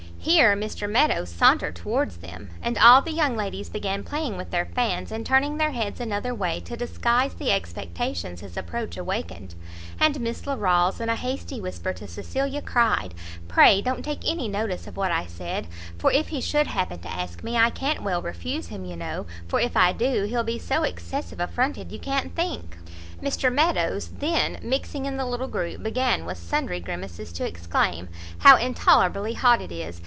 Here Mr Meadows sauntered towards them; and all the young ladies began playing with their fans, and turning their heads another way, to disguise the expectations his approach awakened; and Miss Larolles, in a hasty whisper to Cecilia, cried, "Pray don't take any notice of what I said, for if he should happen to ask me, I can't well refuse him, you know, for if I do, he'll be so excessive affronted you can't think." Mr Meadows then, mixing in the little group, began, with sundry grimaces, to exclaim "how intolerably hot it is!